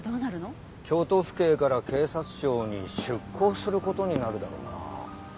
京都府警から警察庁に出向する事になるだろうな。